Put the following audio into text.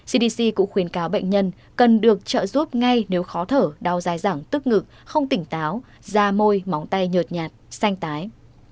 cdc cũng khuyến cáo bệnh nhân cần được trợ giúp ngay nếu khó thở đau dài dẳng tức ngực không tỉnh táo da môi móng tay nhợt nhạt xanh tái